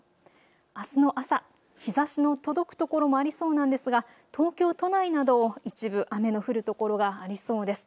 あすの朝、日ざしの届く所もありそうなんですが東京都内など一部、雨の降る所がありそうです。